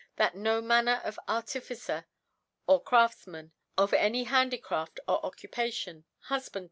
that no Manner of Artificer or Craftfman of any Handicraft or Occupation, Hufband